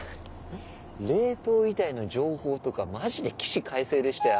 冷凍遺体の情報とかマジで起死回生でしたよ。